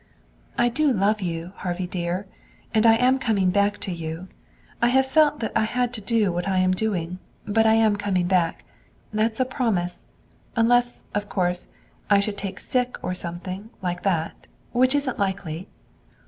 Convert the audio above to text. "I do love you, Harvey dear. And I am coming back to you. I have felt that I had to do what I am doing, but I am coming back. That's a promise. Unless, of course, I should take sick, or something like that, which isn't likely."